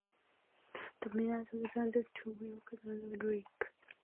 The winners of Series Two were Brooke and Eric.